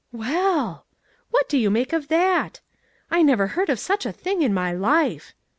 "Well!" " What do you make of that? "" I never heard of such a thing in my life !